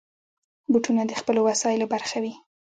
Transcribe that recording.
بوټونه د خپلو وسایلو برخه وي.